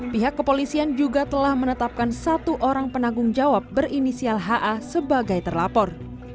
pihak kepolisian juga telah menetapkan satu orang penanggung jawab berinisial ha sebagai terlapor